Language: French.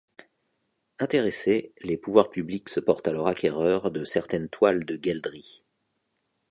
Intéressés, les pouvoirs publics se portent alors acquéreur de certaines toiles de Gueldry.